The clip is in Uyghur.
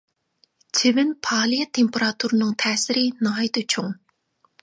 چىۋىن پائالىيەت تېمپېراتۇرىنىڭ تەسىرى ناھايىتى چوڭ.